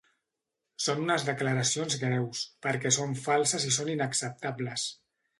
Són unes declaracions greus, perquè són falses i són inacceptables.